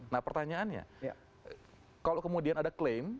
nah pertanyaannya kalau kemudian ada klaim